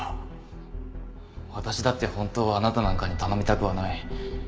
私だって本当はあなたなんかに頼みたくはない。